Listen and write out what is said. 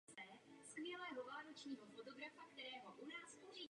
Je vzácně se vyskytujícím druhem české květeny a hrozí ji vyhynutí.